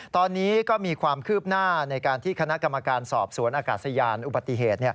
ตอนนี้ก็มีความคืบหน้าในการที่คณะกรรมการสอบสวนอากาศยานอุบัติเหตุ